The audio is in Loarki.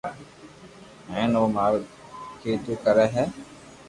ھين او مارو ڪيدو ڪري ھي